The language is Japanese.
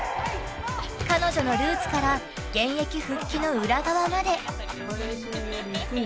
彼女のルーツから現役復帰の裏側まで。